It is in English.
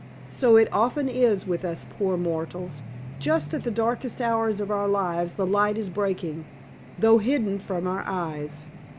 So it often is with us poor mortals. Just at the darkest hours of our lives the light is breaking, though hidden from our eyes.